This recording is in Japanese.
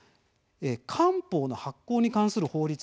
官報の発行に関する法律